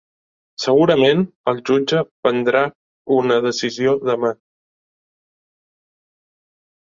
Segurament el jutge prendrà una decisió demà